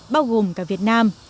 bao gồm cả việt nam